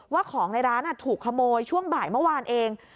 ว่าของในร้านถูกขโมยช่วงบ่ายเมื่อวานเอง